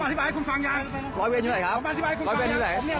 พออธิบายคุณฟังยัง